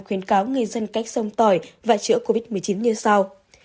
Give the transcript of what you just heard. khuyến cáo người dân cách sông tỏi và chữa covid một mươi chín như sau